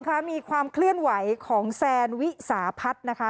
มีความเคลื่อนไหวของแซนวิสาพัฒน์นะคะ